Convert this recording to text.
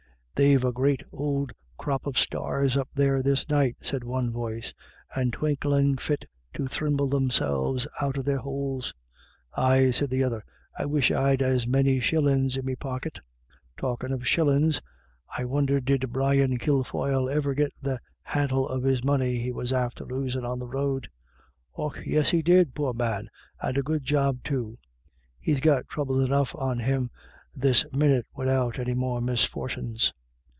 "They've a great ould crop of stars up there this night," said one voice, " and twinklin' fit to thrimble themselves out of their houles." "Aye" said the other, "I wish I'd as many shillins in me pocket." "Talkin* of shillins, I wonder did Brian Kilfoyle iver git the hantle of money he was after losin' on the road." 20 j8a WISH IDYLLS. "Och, yis he did, poor man, and a good job too. He's got throubles enough on him this minit widout any more misfortins."